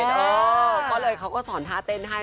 เพราะเลยเขาก็สอนท้าเต้นให้